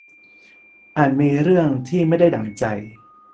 อาจมีเรื่องที่ไม่ได้ดั่งใจ